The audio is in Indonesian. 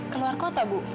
keluar kota bu